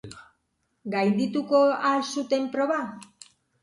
Gaindituko al zuten proba?